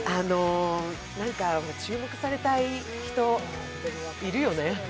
注目されたい人、いるよね。